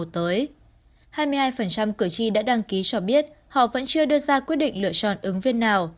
một mươi một tới hai mươi hai cử tri đã đăng ký cho biết họ vẫn chưa đưa ra quyết định lựa chọn ứng viên nào